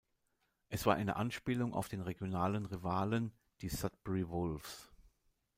Es war eine Anspielung auf den regionalen Rivalen, die Sudbury Wolves.